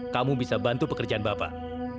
kamu bisa bantu pekerjaan bapak